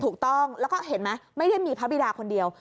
ถูกต้องแล้วก็เห็นไหมไม่ได้มีพระบิดาคนเดียว